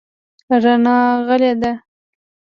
رڼا غلې ده .